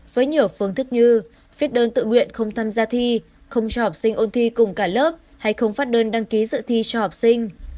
với nhiều phương thức như viết đơn tự nguyện không tham gia thi không cho học sinh ôn thi cùng cả lớp hay không phát đơn đăng ký dự thi cho học sinh